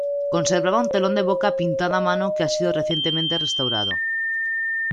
Conservaba un telón de boca pintado a mano que ha sido recientemente restaurado.